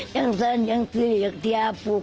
เฮ้ยเห้ยแม่ที่ทำใจพอได้น่ะลูก